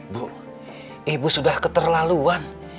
bu ibu sudah keterlaluan